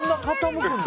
こんな傾くんだ。